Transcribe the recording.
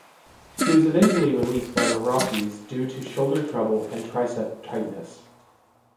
He was eventually released by the Rockies due to shoulder trouble and triceps tightness.